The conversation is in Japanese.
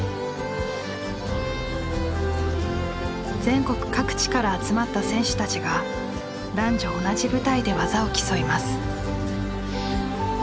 全国各地から集まった選手たちが男女同じ舞台で技を競います。